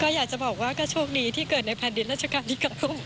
อยากจะบอกว่าก็โชคดีที่เกิดในแผ่นดินราชการที่๙